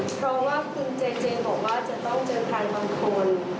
เพราะว่าคุณเจเจบอกว่าจะต้องเจอใครบางคน